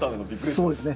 そうですね。